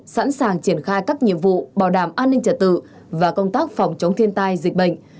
sẵn sàng triển khai các nhiệm vụ bảo đảm an ninh trật tự và công tác phòng chống thiên tai dịch bệnh